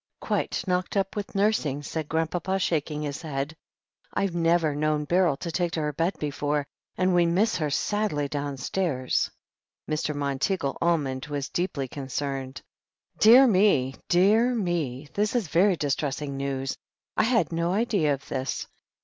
"Quite knocked up with nursing," said Grandpapa, shaking his head. "I've never known Beryl take to her bed before, and we miss her sadly downstairs." Mr. Monteagle Almond was deeply concerned. "Dear me, dear me. This is very distressing news. I had no idea of this.